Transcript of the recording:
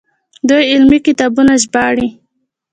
دوی علمي کتابونه ژباړي.